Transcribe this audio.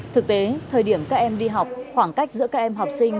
thực tế thời điểm các em đi học khoảng cách giữa các em học sinh